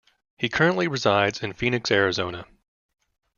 He currently resides in Phoenix, Arizona.